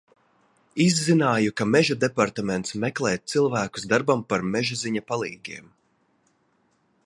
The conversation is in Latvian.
Izzināju, ka Mežu departaments meklē cilvēkus darbam par mežziņa palīgiem.